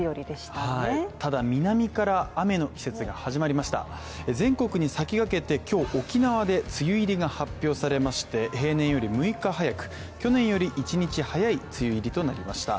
ただ南から雨の季節が始まりました全国に先駆けて今日沖縄で梅雨入りが発表されまして、平年より６日早く、去年より１日早い梅雨入りとなりました。